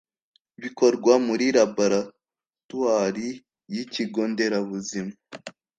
bikorerwa muri Laboratwari y ikigo nderabuzima